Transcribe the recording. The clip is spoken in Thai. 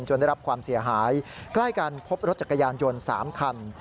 ได้รับความเสียหายใกล้กันพบรถจักรยานยนต์๓คัน